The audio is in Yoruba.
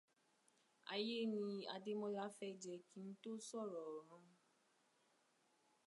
Ayé ni Adẹ́mọ́lá fẹ́ jẹ kí n tó sọ̀rọ̀ ọ̀run.